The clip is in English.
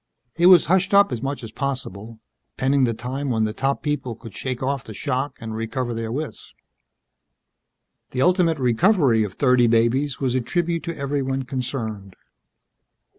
It was hushed up as much as possible, pending the time when the top people could shake off the shock and recover their wits. The ultimate recovery of thirty babies was a tribute to everyone concerned.